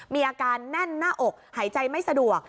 มีอาการแน่นหน้าอกหายใจไม่สะดวก